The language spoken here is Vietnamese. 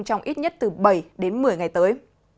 trong ít nhất từ bảy đến một mươi ngày tới